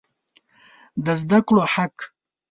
د زده کړو حق